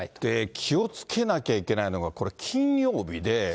気をつけなきゃいけないのが、これ、金曜日で。